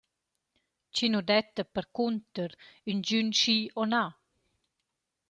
Chi nu detta percunter ingün «schi o na».